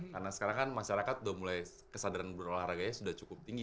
karena sekarang kan masyarakat udah mulai kesadaran berolahraga sudah cukup tinggi